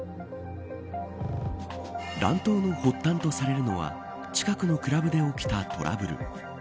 乱闘の発端とされるのは近くのクラブで起きたトラブル。